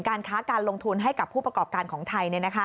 การค้าการลงทุนให้กับผู้ประกอบการของไทย